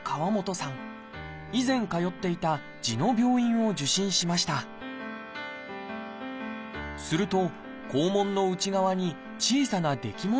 以前通っていた痔の病院を受診しましたすると肛門の内側に小さなできものが見つかりました。